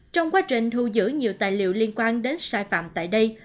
trong quá trình thu giữ nhiều tài liệu liên quan đến sai phạm tại đây